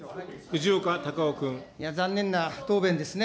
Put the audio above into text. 残念な答弁ですね。